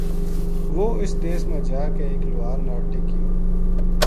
وہ اُس دیس ما جا کے ایک لوہار ناڑ ٹِک گیو